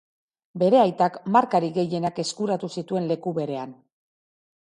Bere aitak markarik gehienak eskuratu zituen leku berean.